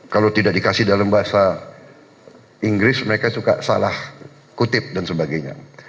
kalau tidak dikasih dalam bahasa inggris mereka suka salah kutip dan sebagainya